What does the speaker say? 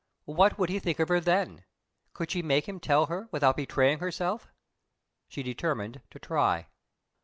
What would he think of her then? Could she make him tell her without betraying herself? She determined to try.